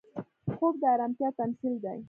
خوب د ارامتیا تمثیل دی